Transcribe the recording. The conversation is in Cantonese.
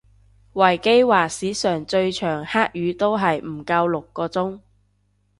維基話史上最長黑雨都係唔夠六個鐘